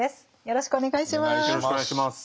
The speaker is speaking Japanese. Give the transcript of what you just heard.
よろしくお願いします。